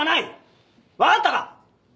わかったか！